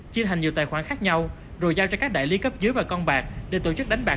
chia hành nhiều tài khoản khác nhau rồi giao cho các đại lý cấp dưới và con bạc để tổ chức đánh bạc